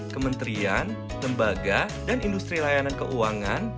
kementerian tembaga dan industri layanan keuangan